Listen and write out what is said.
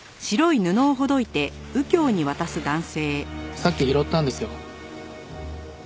さっき拾ったんですよ。